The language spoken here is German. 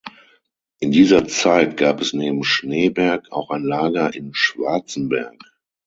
In dieser Zeit gab es neben Schneeberg auch ein Lager in Schwarzenberg.